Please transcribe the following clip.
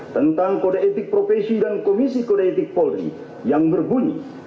tentang kode etik profesi dan komisi kode etik polri yang berbunyi